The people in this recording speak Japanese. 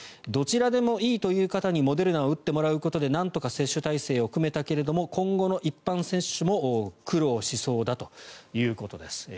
どちらでもいいという方にモデルナを打ってもらうことでなんとか接種体制を組めたけれど今後の一般接種も苦労しそうだということです。